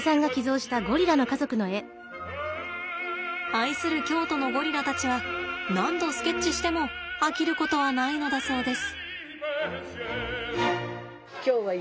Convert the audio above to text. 愛する京都のゴリラたちは何度スケッチしても飽きることはないのだそうです。